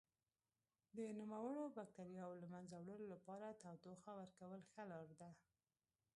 د نوموړو بکټریاوو له منځه وړلو لپاره تودوخه ورکول ښه لاره ده.